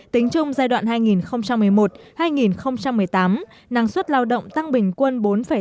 tính chung giai đoạn hai nghìn một mươi một hai nghìn một mươi tám năng suất lao động tăng bình quân bốn tám mươi tám